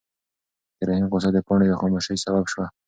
د رحیم غوسه د پاڼې د خاموشۍ سبب شوه.